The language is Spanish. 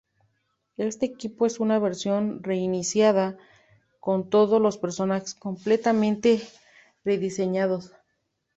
Este equipo es una versión reiniciada, con todos los personajes completamente rediseñados.